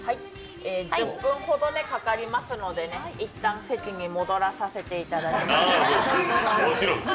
１０分ほどかかりますので、一旦席に戻らせていただきます。